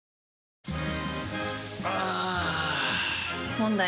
問題。